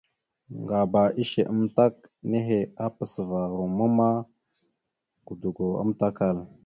Ŋgaba ishe amətak nehe, apasəva romma ma, godogo amatəkal.